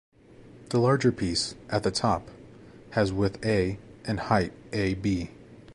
The larger piece, at the top, has width a and height a-b.